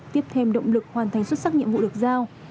tiếp thêm động lực hoàn thành xuất sắc nhiệm vụ được giao